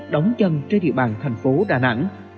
đóng chân trên địa bàn thành phố đà nẵng